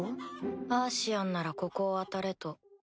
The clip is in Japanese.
アーシアンならここを当たれと。